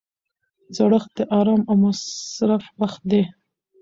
زړښت د ارام او مصرف وخت دی.